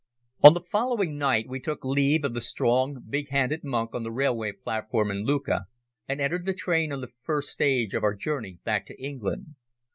On the following night we took leave of the strong, big handed monk on the railway platform in Lucca, and entered the train on the first stage of our journey back to England.